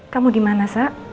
kamu dimana sa